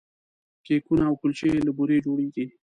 کیکونه او کلچې له بوري جوړیږي.